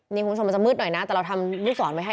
นี่คุณผู้ชมมันจะมืดหน่อยนะแต่เราทำลูกศรไว้ให้